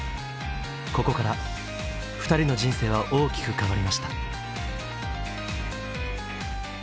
ここから２人の人生は大きく変わりました。